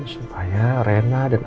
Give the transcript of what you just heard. supaya rena dan